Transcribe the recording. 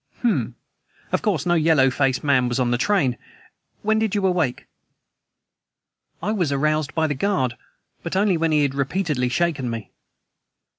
"Hm! Of course, no yellow faced man was on the train. When did you awake?" "I was aroused by the guard, but only when he had repeatedly shaken me."